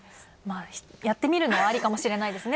やってみるのはありかもしれないですね。